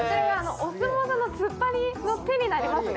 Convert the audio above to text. お相撲さんの突っ張りの手になりますね。